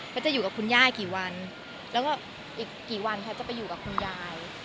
จะอยู่กับคุณย่ากี่วันแล้วก็อีกกี่วันแพทย์จะไปอยู่กับคุณยาย